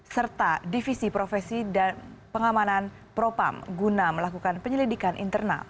serta divisi profesi dan pengamanan propam guna melakukan penyelidikan internal